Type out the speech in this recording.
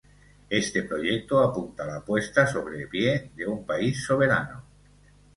Este proyecto apunta la apuesta sobre pie de un país soberano.